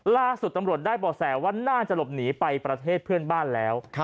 ล่าสุดตำรวจได้บ่อแสว่าน่าจะหลบหนีไปประเทศเพื่อนบ้านแล้ว